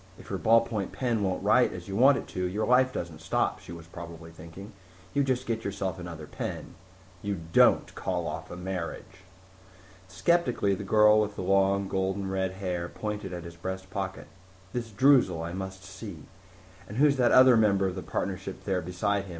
If your ballpoint pen won't write as you want it to, your life doesn't stop, she probably was thinking. You just get yourself another pen You don't call off a marriage.... Skeptically the girl with the long, golden red hair pointed at his breast pocket. "This Droozle I must see. And who's that other member of the partnership there beside him?